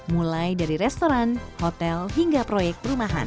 mulai dari restoran hotel hingga proyek perumahan